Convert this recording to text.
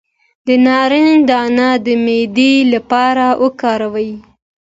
د نارنج دانه د معدې لپاره وکاروئ